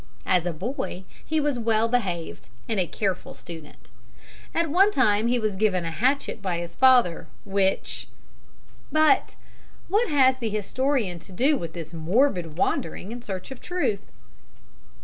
As a boy he was well behaved and a careful student. At one time he was given a hatchet by his father, which But what has the historian to do with this morbid wandering in search of truth?